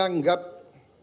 ada yang menganggap